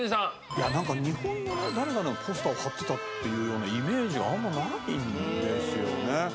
いやなんか日本の誰かのポスターを貼ってたっていうようなイメージがあんまないんですよね。